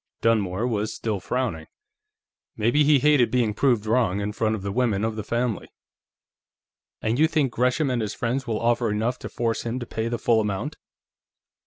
Dunmore was still frowning. Maybe he hated being proved wrong in front of the women of the family. "And you think Gresham and his friends will offer enough to force him to pay the full amount?"